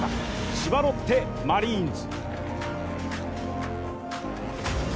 千葉ロッテマリーンズ。